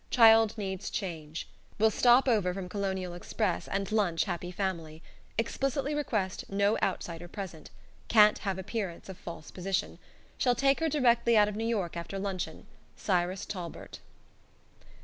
Child needs change. Will stop over from Colonial Express and lunch Happy Family. Explicitly request no outsider present. Can't have appearance of false position. Shall take her directly out of New York, after luncheon. Cyrus Talbert."